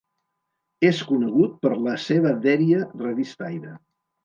És conegut per la seva dèria revistaire.